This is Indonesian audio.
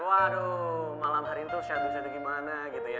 waduh malam hari itu shandusnya gimana gitu ya